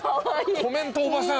コメントおばさん。